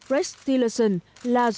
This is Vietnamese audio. rex tillerson là giám đốc